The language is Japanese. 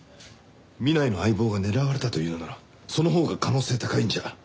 南井の相棒が狙われたというのならそのほうが可能性高いんじゃ？